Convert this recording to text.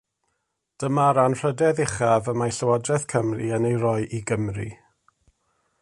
Dyma'r anrhydedd uchaf y mae Llywodraeth Cymru yn ei roi i Gymry.